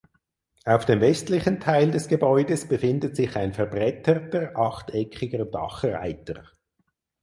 Auf dem westlichen Teil des Gebäudes befindet sich ein verbretterter achteckiger Dachreiter.